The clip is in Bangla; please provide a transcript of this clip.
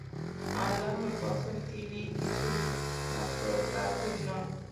আল্লাহর কসম, তিনি কিছুমাত্র গাফিল নন।